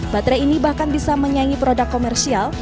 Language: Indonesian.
baterai ini bahkan bisa menyaingi produk komersial